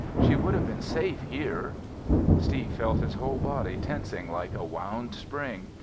"She would have been safe here!" Steve felt his whole body tensing like a wound spring.